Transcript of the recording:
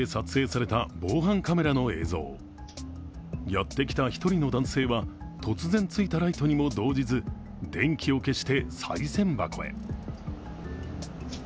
やってきた１人の男性は突然ついたライトにも動じず電気を消して、さい銭箱へ。